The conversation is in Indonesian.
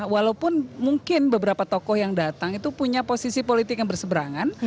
walaupun mungkin beberapa tokoh yang datang itu punya posisi politik yang berseberangan